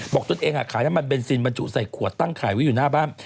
ตนเองขายน้ำมันเบนซินบรรจุใส่ขวดตั้งขายไว้อยู่หน้าบ้าน